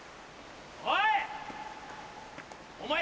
おい！